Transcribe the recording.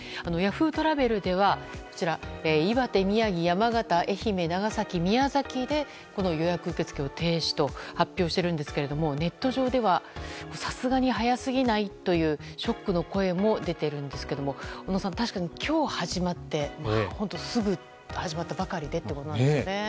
Ｙａｈｏｏ！トラベルでは岩手、宮城、山形、愛媛長崎、宮崎で予約受け付けを停止と発表しているんですがネット上ではさすがに早すぎない？というショックの声も出ているんですが小野さん、確かに今日始まって本当すぐ始まったばかりでということなんですね。